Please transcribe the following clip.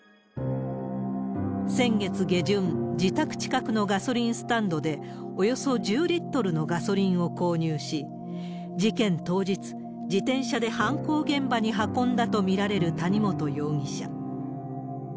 先月下旬、自宅近くのガソリンスタンドで、およそ１０リットルのガソリンを購入し、事件当日、自転車で犯行現場に運んだと見られる谷本容疑者。